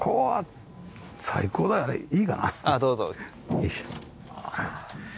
よいしょ。